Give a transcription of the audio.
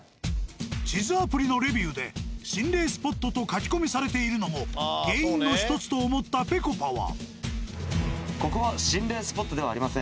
地図アプリのレビューで「心霊スポット」と書き込みされているのも原因の１つと思ったぺこぱは。